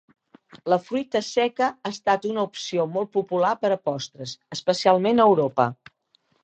La fruita seca ha estat una opció molt popular per a postres, especialment a Europa.